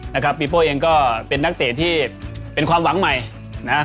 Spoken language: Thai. นะครับปีโป้เองก็เป็นนักเตะที่เป็นความหวังใหม่นะฮะ